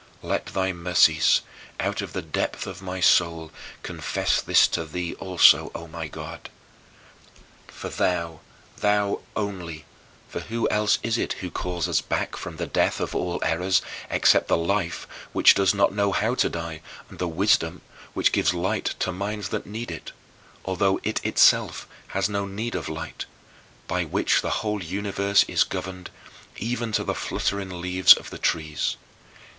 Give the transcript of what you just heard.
Let thy mercies, out of the depth of my soul, confess this to thee also, O my God. For thou, thou only (for who else is it who calls us back from the death of all errors except the Life which does not know how to die and the Wisdom which gives light to minds that need it, although it itself has no need of light by which the whole universe is governed, even to the fluttering leaves of the trees?)